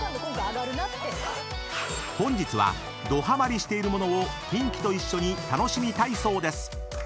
［本日はどハマりしているものをキンキと一緒に楽しみたいそうです］